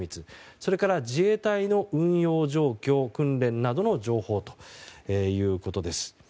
それから自衛隊の運用状況訓練などの情報ということです。